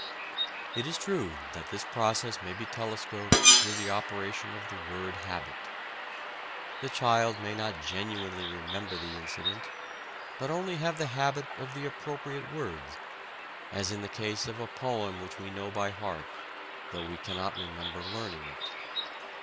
It is true that this process may be telescoped through the operation of the word habit. The child may not genuinely remember the incident, but only have the habit of the appropriate words, as in the case of a poem which we know by heart, though we cannot remember learning it.